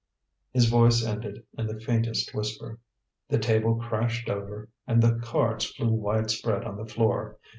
His voice ended in the faintest whisper. The table crashed over, and the cards flew wide spread on the floor.